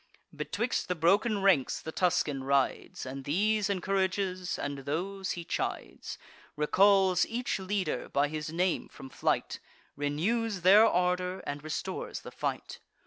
Betwixt the broken ranks the Tuscan rides, And these encourages, and those he chides; Recalls each leader, by his name, from flight; Renews their ardour, and restores the fight.